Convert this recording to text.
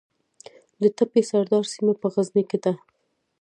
د تپې سردار سیمه په غزني کې ده